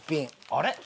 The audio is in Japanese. あれ？